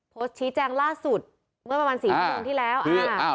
โพสต์ชี้แจงล่าสุดเมื่อประมาณสี่ชั่วโมงที่แล้วอ่า